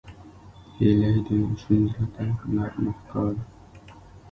هیلۍ د ماشوم زړه ته نرمه ښکاري